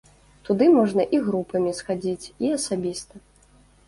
Туды можна і групамі схадзіць, і асабіста.